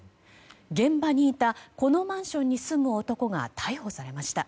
現場にいた、このマンションに住む男が逮捕されました。